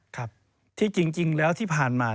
ครับที่จริงแล้วที่ผ่านมา